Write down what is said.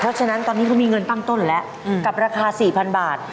เพราะฉะนั้นตอนนี้เขามีเงินตั้งต้นอยู่แล้วกับราคา๔๐๐๐บาท